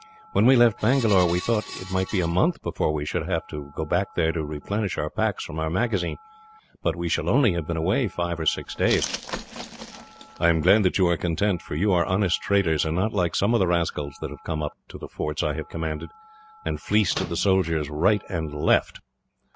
When we left Bangalore, we thought that it might be a month before we should have to go back there to replenish our packs from our magazine; but we shall only have been away five or six days." "I am glad that you are content, for you are honest traders, and not like some of the rascals that have come up to the forts I have commanded, and fleeced the soldiers right and left."